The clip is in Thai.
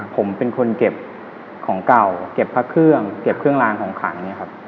ผมเป็นคนเก็บของเก่าเก็บพักเครื่องเก็บเครื่องลางของขัง